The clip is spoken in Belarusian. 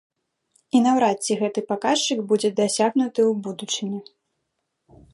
І наўрад ці гэты паказчык будзе дасягнуты ў будучыні.